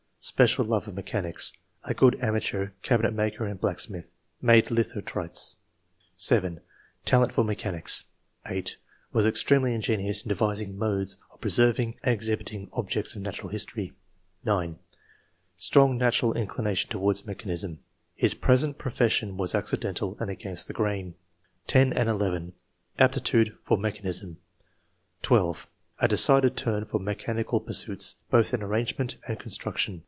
"Special love of mechanics; a good amateur cabinet maker and blacksmith. Made lithotrites." 7. '' Talent for mechanics." 8. [Was extremely ingenious in devising modes of preserving nnd 126 ENGLISH MEN OF SCIENCE, [chap. exhibiting objects of natural history]. 9. " Strong natural inclination towards mechanism/' [His present profession was accidental and against the grain]. 10 and 11. "Aptitude for mechanism." 12. "A decided turn for mechanical pursuits, both in arrangement and construction.''